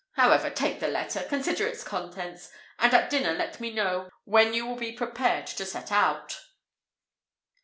However, take the letter, consider its contents, and at dinner let me know when you will be prepared to set out."